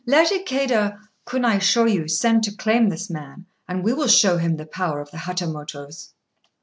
Let Ikéda Kunaishôyu send to claim this man, and we will show him the power of the Hatamotos."